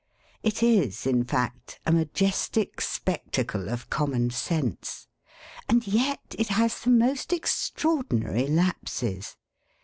It is, in fact, a majestic spectacle of common sense. And yet it has the most extraordinary lapses.